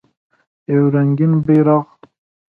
یو رنګین بیرغ